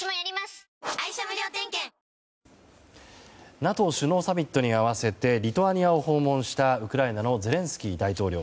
ＮＡＴＯ首脳サミットに合わせてリトアニアを訪問したウクライナのゼレンスキー大統領。